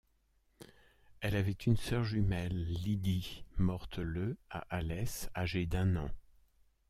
Elle avait une sœur jumelle, Lydie, morte le à Alès, âgée d'un an.